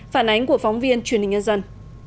phản ánh của phóng viên truyền hình nhân dân